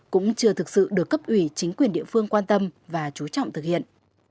cũng chưa thực sự được cấp ủy chính quyền địa phương quan tâm và chú trọng thực hiện